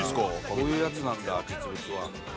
こういうやつなんだ実物は。